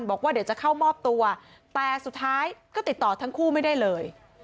บอกว่าเดี๋ยวจะเข้ามอบตัวแต่สุดท้ายก็ติดต่อทั้งคู่ไม่ได้เลย